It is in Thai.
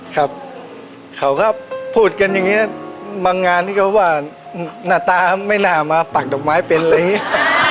ครับเขาก็พูดกันอย่างนี้บางงานที่เขาว่าหน้าตาไม่น่ามาปักดอกไม้เป็นอะไรอย่างนี้